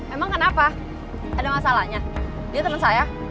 emang kenapa ada masalahnya dia teman saya